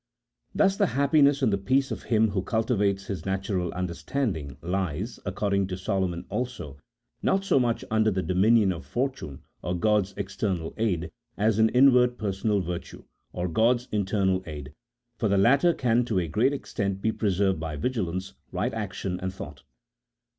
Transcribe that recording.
Thus the happiness and the peace of him who cultivates his natural understanding lies, according to Solomon also, not so much under the dominion of fortune (or God's ex ternal aid) as in inward personal virtue (or God's internal aid), for the latter can to a great extent be preserved by vigilance, right action, and thought.